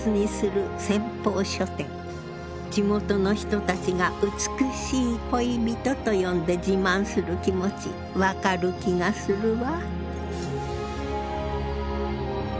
地元の人たちが美しい恋人と呼んで自慢する気持ち分かる気がするわ。